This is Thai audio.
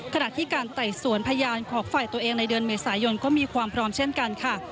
ขณะที่การไต่สวนพยานของฝ่ายตัวเองในเดือนเมษายนก็มีความพร้อมเช่นกันค่ะ